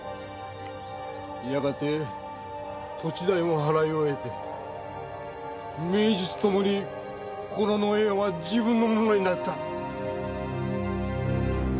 やがて土地代も払い終えて名実ともにここの農園は自分のものになった。